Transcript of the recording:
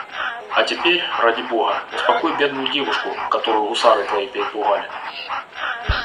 А теперь, ради бога, успокой бедную девушку, которую гусары твои перепугали.